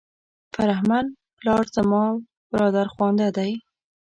فرهمند پلار زما برادرخوانده دی.